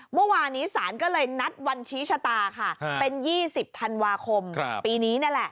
เมื่อวานนี้ศาลก็เลยนัดวันชี้ชะตาค่ะเป็น๒๐ธันวาคมปีนี้นั่นแหละ